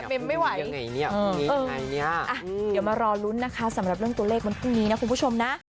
เป็นไม่ไหวยังไงเนี่ยเดี๋ยวมารอลุ้นนะคะสำหรับเรื่องตัวเลขวันพรุ่งนี้นะคุณผู้ชมนะ